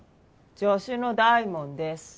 助手の大門です。